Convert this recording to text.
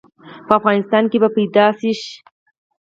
په افغانستان کې به پيدا ش؟